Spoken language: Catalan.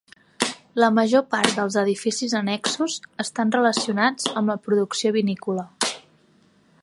La major part dels edificis annexos estan relacionats amb la producció vinícola.